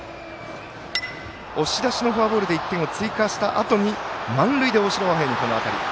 押し出しのフォアボールで１点を追加したあとに満塁で大城和平にこの当たり。